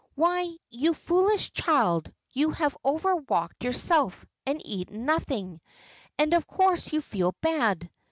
Why, you foolish child, you have over walked yourself, and eaten nothing, and of course you feel bad."